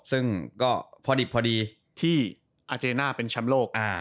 ซึ่งก็พอดิบพอดีที่อาเจน่าเป็นแชมป์โลก